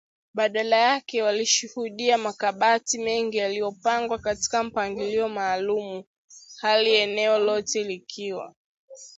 Badala yake walishuhudia makabati mengi yaliyopangwa katika mpangilio maalumu hali eneo lote likiwa